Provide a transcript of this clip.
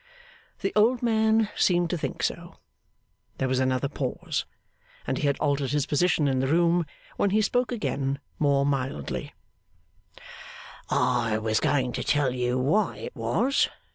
The old man seemed to think so. There was another pause, and he had altered his position in the room, when he spoke again more mildly: 'I was going to tell you why it was.